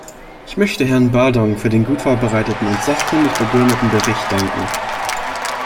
Ich möchte Herrn Bardong für den gut vorbereiteten und sachkundig begründeten Bericht danken.